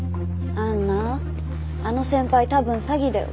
杏奈あの先輩多分詐欺だよ。